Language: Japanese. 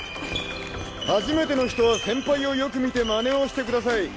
初めての人は先輩をよく見て真似をして下さい。